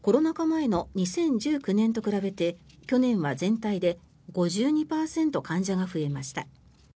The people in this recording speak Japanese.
前の２０１９年と比べて去年は全体で５２％患者が増えました。